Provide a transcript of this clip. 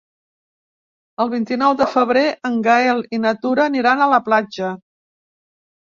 El vint-i-nou de febrer en Gaël i na Tura aniran a la platja.